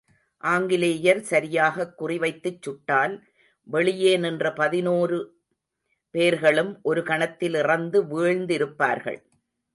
ஆங்கிலேயர் சரியாகக் குறிவைத்துச் சுட்டால், வெளியே நின்ற பதினோரு பேர்களும் ஒரு கணத்தில் இறந்து வீழ்ந்திருப்பார்கள்.